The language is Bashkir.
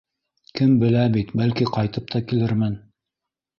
Кем белә бит, бәлки, ҡайтып та килермен.